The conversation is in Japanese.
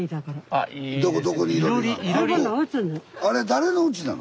あれ誰のうちなの？